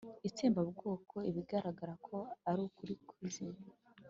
itsembabwoko ibigaragara ko ari ukuri kuzima